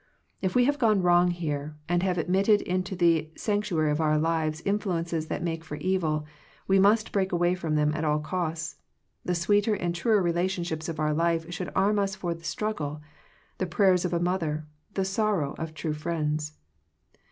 If we have gone wrong here, and have admitted into the sanctuary of our lives influences that make for evil, we must break away from them at all costs. The sweeter and truer relationships of our life should arm us for the struggle, the prayers of a mother, the sorrow of true friends.